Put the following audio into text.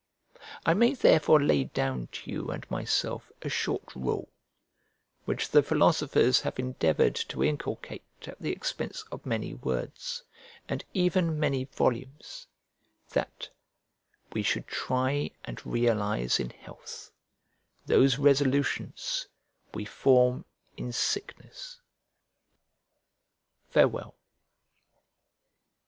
I may therefore lay down to you and myself a short rule, which the philosophers have endeavoured to inculcate at the expense of many words, and even many volumes; that "we should try and realise in health those resolutions we form in sickness." Farewell.